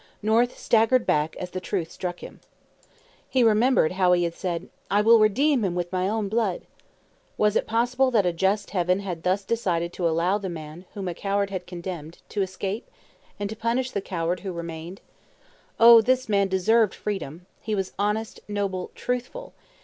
North staggered back as the truth struck him. He remembered how he had said, "I will redeem him with my own blood!" Was it possible that a just Heaven had thus decided to allow the man whom a coward had condemned, to escape, and to punish the coward who remained? Oh, this man deserved freedom; he was honest, noble, truthful!